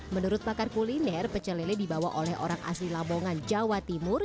menurut pakar kuliner pecelele dibawa oleh orang asli labongan jawa timur